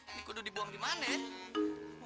ini kudu dibuang di mana ya